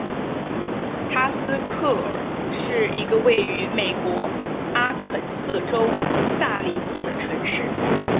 哈斯克尔是一个位于美国阿肯色州萨林县的城市。